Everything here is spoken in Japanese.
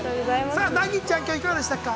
◆さあナギちゃん、きょういかがでしたか。